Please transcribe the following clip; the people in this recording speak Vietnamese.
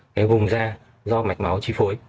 cái vùng da do mạch máu trì phối